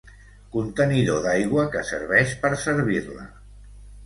Contenidor d'aigua que serveix per servir-la.